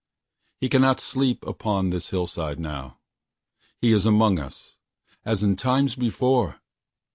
He cannot sleep upon his hillside now. He is among us:—as in times before!